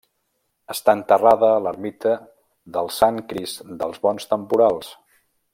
Està enterrada a l'ermita del Sant Crist dels Bons Temporals.